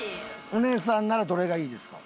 お姉さんならどれがいいですか？